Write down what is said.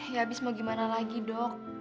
ya abis mau gimana lagi dok